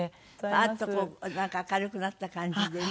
パーッとこうなんか明るくなった感じでね。